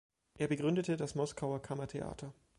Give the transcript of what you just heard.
Er begründete das Moskauer Kammertheater.